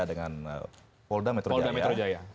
dengan polda metro jaya